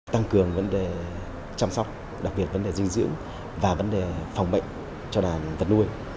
tăng cường vấn đề chăm sóc đặc biệt vấn đề dinh dưỡng và vấn đề phòng bệnh cho đàn vật nuôi